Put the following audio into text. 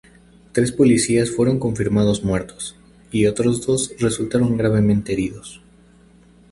Tres policías fueron confirmados muertos, y otros dos resultaron gravemente heridos.